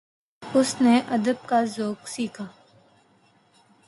اس نے ادب کا ذوق سیکھا